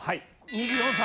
２４歳。